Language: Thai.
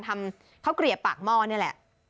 ทำข้าวเกลียบปากหม้อนี่แหละ